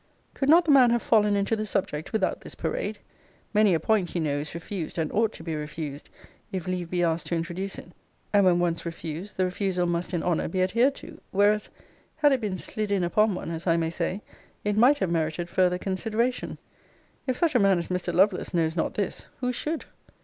Could not the man have fallen into the subject without this parade? Many a point, you know, is refused, and ought to be refused, if leave be asked to introduce it; and when once refused, the refusal must in honour be adhered to whereas, had it been slid in upon one, as I may say, it might have merited further consideration. If such a man as Mr. Lovelace knows not this, who should?